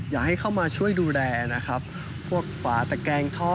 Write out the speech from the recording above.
อยากให้เข้ามาช่วยดูแลนะครับพวกฝาตะแกงท่อ